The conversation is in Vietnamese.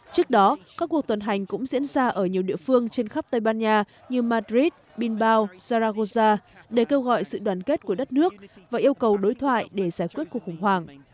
trước đó các cuộc tuần hành cũng diễn ra ở nhiều địa phương trên khắp tây ban nha như madrid binbau zaragoza để kêu gọi sự đoàn kết của đất nước và yêu cầu đối thoại để giải quyết cuộc khủng hoảng